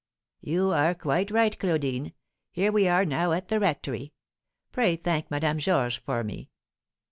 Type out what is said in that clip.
"You are quite right, Claudine. Here we are now at the rectory. Pray thank Madame Georges for me."